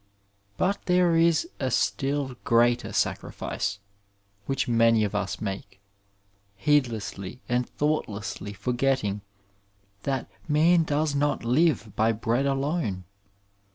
But there is a still greater sacrifice which many of us make, heedlessly and thoughtlessly forgetting that '^ Man does not live by bread alone.